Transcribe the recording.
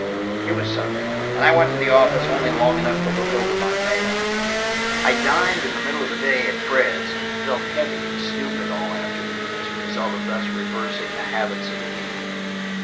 It was Sunday, and I went to the office only long enough to look over my mail. I dined in the middle of the day at Fred's and felt heavy and stupid all afternoon as a result of thus reversing the habits of the week.